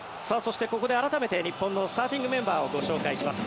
改めて日本のスターティングメンバーをご紹介します。